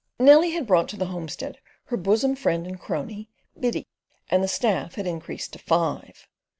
Nellie had brought to the homestead her bosom friend and crony, Biddy, and the staff had increased to five.